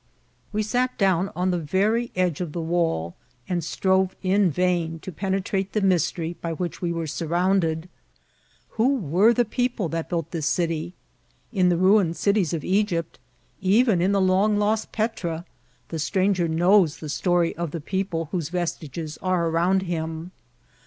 We sat down on the very edge of the wall, and strove in vain to penetrate the mystery by which we were surrounded. Who were the people that built this city? In the ruin ed cities of £gypt, even in the long lost Petra, the stranger knows the story of the people whose vesti ges are around him.